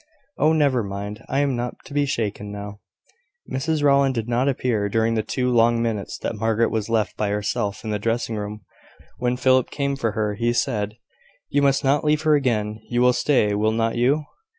"Oh, never mind! I am not to be shaken now." Mrs Rowland did not appear during the two long minutes that Margaret was left by herself in the dressing room. When Philip came for her, he said: "You must not leave her again. You will stay, will not you?